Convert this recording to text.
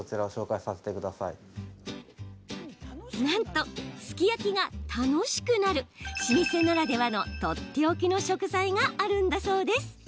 なんとすき焼きが楽しくなる老舗ならではのとっておきの食材があるんだそうです。